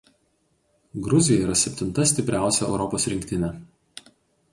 Gruzija yra septinta stipriausia Europos rinktinė.